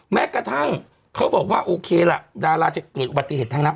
แม้กระทั่งเขาบอกว่าโอเคล่ะดาราจะเกิดปฏิเสธทางนั้น